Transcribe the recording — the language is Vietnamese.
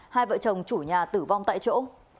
hai vợ chồng chủ nhà tử vong tại chỗ